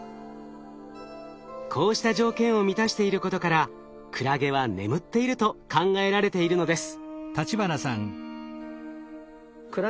こうした条件を満たしていることからクラゲは眠っていると考えられているのです。